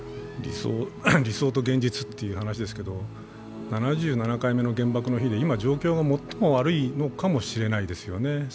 理想と現実っていう話ですけど、７７回目の原爆の日で今最も状況が悪いのかもしれないですよね。